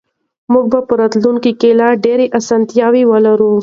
موږ به په راتلونکي کې لا ډېرې اسانتیاوې ولرو.